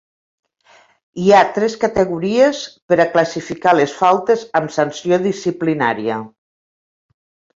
Hi ha tres categories per a classificar les faltes amb sanció disciplinària.